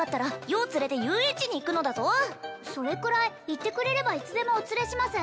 余を連れて遊園地に行くのだぞそれくらい言ってくれればいつでもお連れします